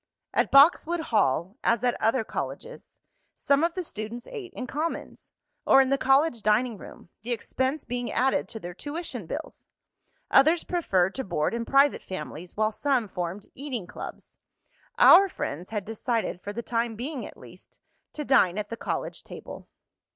At Boxwood Hall, as at other colleges, some of the students ate in "commons," or in the college dining rooms, the expense being added to their tuition bills. Others preferred to board in private families, while some formed "eating clubs." Our friends had decided, for the time being at least, to dine at the college table.